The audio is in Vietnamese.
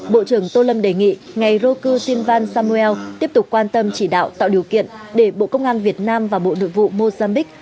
bộ trưởng tô lâm đề nghị ngày rô cư xin van samuel tiếp tục quan tâm chỉ đạo tạo điều kiện để bộ công an việt nam và bộ nội vụ mozambique